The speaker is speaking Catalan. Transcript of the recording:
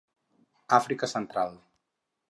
Àfrica central.